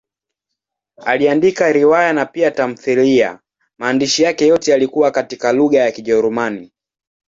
Aliandika riwaya na pia tamthiliya; maandishi yake yote yalikuwa katika lugha ya Kijerumani.